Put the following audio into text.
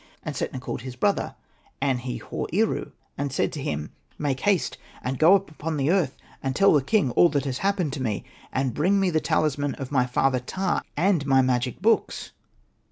And Setna called his brother An.he.hor.eru and said to him, APPLYING THE TALISMAN. '' Make haste and go up upon earth, and tell the king all that has happened to me, and bring me the talisman of my father Ptah, and my magic books.''